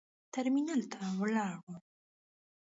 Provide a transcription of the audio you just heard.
ترمینال ته ولاړو.